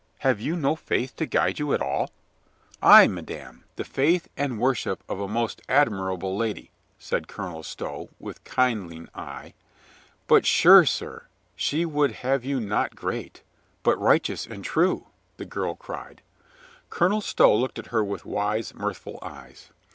Have you no faith to guide you at all ?" "Ay, madame, the faith and worship of a most admirable lady," said Colonel Stow, with kindling eye. "But sure, sir, she would have you not great, but righteous and true," the girl cried. Colonel Stow looked at her with wise, mirthful eyes.